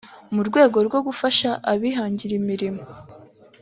mu rwego rwo gufasha abihangira imirimo